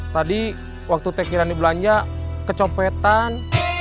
tadi waktu tekinan dibelanja kecopetan